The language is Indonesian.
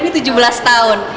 ini tujuh belas tahun